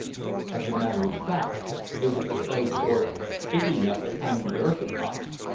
As a matter of fact it was a clothes horse big enough to hang the earth upon.